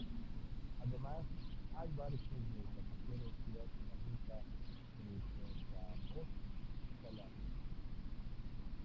Además, hay barcos de pasajeros que hacen la ruta Petrozavodsk-Shala.